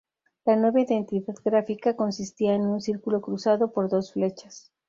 La nueva identidad gráfica consistía en un círculo cruzado por dos flechas.